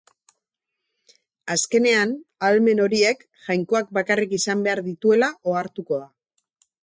Azkenean, ahalmen horiek Jainkoak bakarrik izan behar dituela ohartuko da.